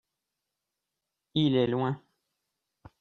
il est loin.